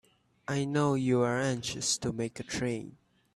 I know you're anxious to make a train.